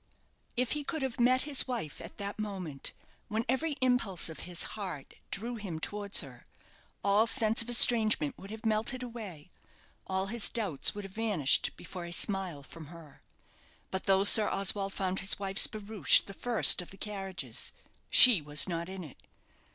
If he could have met his wife at that moment, when every impulse of his heart drew him towards her, all sense of estrangement would have melted away; all his doubts would have vanished before a smile from her. But though Sir Oswald found his wife's barouche the first of the carriages, she was not in it.